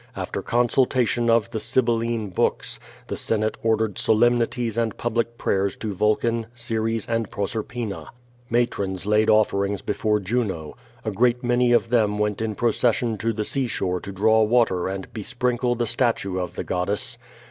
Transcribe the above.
After consultation of the Sybilline books, the senate ordered solemnities and public prayers to Vulcan, Ceres, and Proserpina. Matrons laid offer ings before Juno. A great many of them went in procession to the seashore to draw water and besprinkle the statue of the goddess.